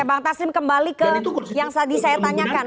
oke bang tasim kembali ke yang tadi saya tanyakan